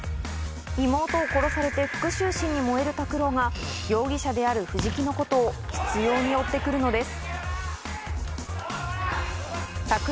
妹を殺されて復讐心に燃える拓郎が容疑者である藤木のことを執拗に追って来るのです